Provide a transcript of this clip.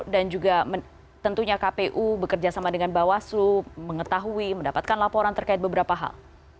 dan juga tentunya kpu bekerja sama dengan bawasu mengetahui mendapatkan laporan terkait beberapa hal